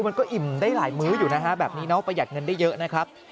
มันก็อิ่มได้หลายมื้ออยู่นะฮะแบบนี้น้องประหยัดเงินได้เยอะนะครับ